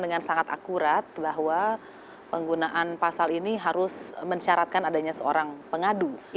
dengan sangat akurat bahwa penggunaan pasal ini harus mensyaratkan adanya seorang pengadu